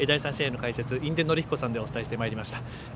第３試合の解説、印出順彦さんでお伝えしてまいりました。